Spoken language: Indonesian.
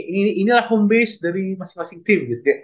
ini inilah home base dari masing masing tim